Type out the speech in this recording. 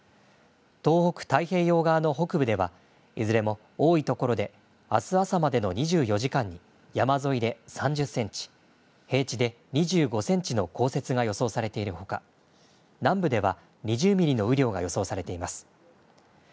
東北太平洋側の北部では、いずれも多い所で、あす朝までの２４時間に山沿いで３０センチ、平地で２５センチの降雪が予想されているほか、南部では２０ミリの雨量が予想されています。